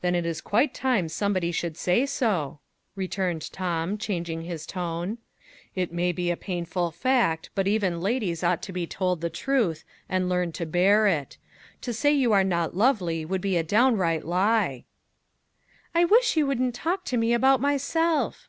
"Then it is quite time somebody should say so," returned Tom, changing his tone. "It may be a painful fact, but even ladies ought to be told the truth, and learn to bear it. To say you are not lovely would be a downright lie." "I wish you wouldn't talk to me about myself!"